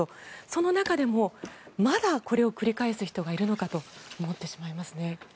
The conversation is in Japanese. その中でもまだこれを繰り返す人がいるのかと思ってしまいますね。